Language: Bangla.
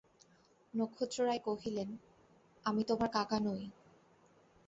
নক্ষত্ররায় কহিলেন, আমি তোমার কাকা নই।